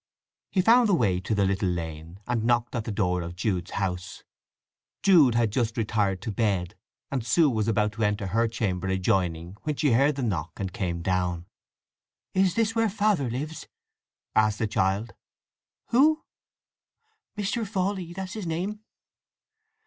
He found the way to the little lane, and knocked at the door of Jude's house. Jude had just retired to bed, and Sue was about to enter her chamber adjoining when she heard the knock and came down. "Is this where Father lives?" asked the child. "Who?" "Mr. Fawley, that's his name."